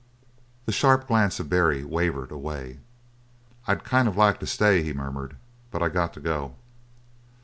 The sharp glance of Barry wavered away. "I'd kind of like to stay," he murmured, "but I got to go."